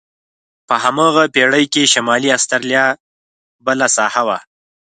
په هماغه پېړۍ کې شمالي استرالیا بله ساحه وه.